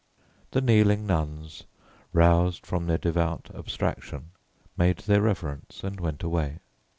The kneeling nuns, roused from their devout abstraction, made their reverence and went away.